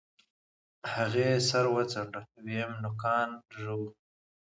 هغې سر وڅنډه ويم نوکان ژوو.